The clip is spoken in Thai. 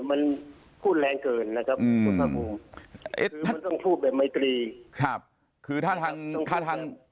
มันพูดแรงเกินนะครับคือมันต้องพูดแบบไมตรี